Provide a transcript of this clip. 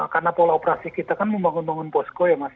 karena pola operasi kita kan membangun bangun posko ya mas